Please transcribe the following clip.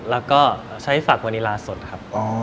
แล้วก็ใช้ฝักวานิลาสดครับ